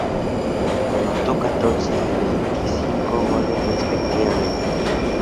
Anotó catorce y veinticinco goles, respectivamente.